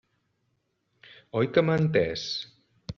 Oi que m'ha entès?